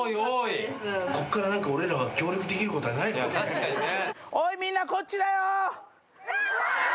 確かにね。